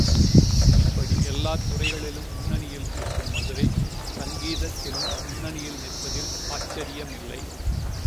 இப்படி எல்லாத் துறைகளிலும் முன்னணியில் நிற்கும் மதுரை, சங்கீத விஷயத்திலும் முன்னணியில் நிற்பதில் ஆச்சரியமில்லை.